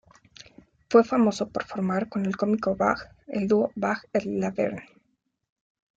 Fue famoso por formar con el cómico Bach el dúo Bach et Laverne.